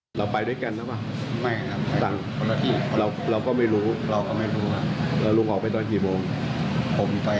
จะจะไปเอาอะไรไก่ไก่หยินไก่